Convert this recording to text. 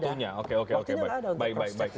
waktunya nggak ada untuk cross check